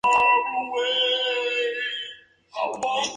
Ha publicado artículos doctrinales en revistas mexicanas y extranjeras.